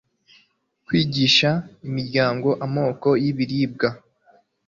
kwigisha imiryango amoko y'ibiribwa